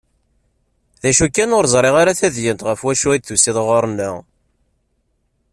D acu kan ur ẓriɣ ara tadyant ɣef wacu i d-tusiḍ ɣur-nneɣ?